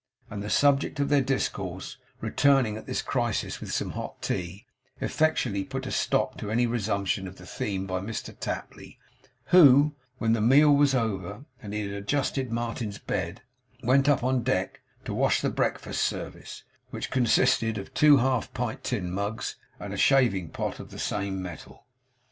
And the subject of their discourse returning at this crisis with some hot tea, effectually put a stop to any resumption of the theme by Mr Tapley; who, when the meal was over and he had adjusted Martin's bed, went up on deck to wash the breakfast service, which consisted of two half pint tin mugs, and a shaving pot of the same metal.